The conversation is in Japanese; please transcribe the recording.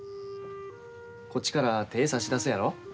こっちから手ぇ差し出すやろ。